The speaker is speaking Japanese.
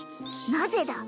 なぜだ？